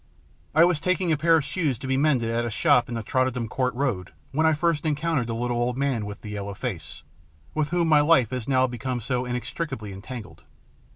I was taking a pair of shoes to be mended at a shop in the Tottenham Court Road when I first encountered the little old man with the yellow face, with whom my life has now become so inextricably entangled.